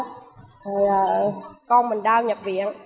rồi con mình đau nhập viện